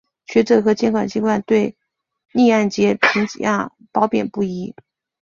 学者和监管机构对逆按揭评价褒贬不一。